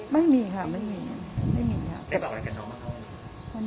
ไม่มีค่ะเหมือนกัน